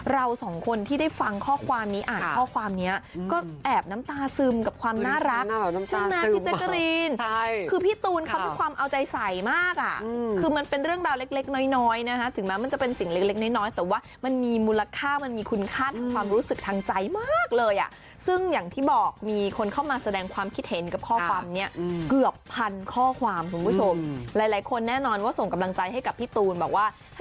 เราสองคนที่ได้ฟังข้อความนี้อ่านข้อความนี้ก็แอบน้ำตาซึมกับความน่ารักใช่ไหมที่เจ๊กรีนคือพี่ตูนครับความเอาใจใสมากอ่ะคือมันเป็นเรื่องราวเล็กน้อยนะฮะถึงมันจะเป็นสิ่งเล็กน้อยแต่ว่ามันมีมูลค่ามันมีคุณคาดความรู้สึกทางใจมากเลยอ่ะซึ่งอย่างที่บอกมีคนเข้ามาแสดงความคิดเห็นกับข